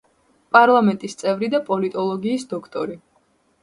პარლამენტის წევრი და პოლიტოლოგიის დოქტორი.